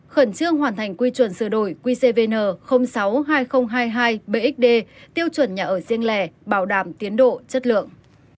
khẩn trương hoàn thành quy chuẩn sửa đổi qcvn sáu hai nghìn hai mươi hai bxd tiêu chuẩn nhà ở riêng lẻ bảo đảm tiến độ chất lượng